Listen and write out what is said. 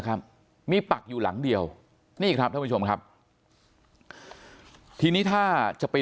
ครับมีปักอยู่หลังเดียวนี่ครับท่านผู้ชมครับทีนี้ถ้าจะไป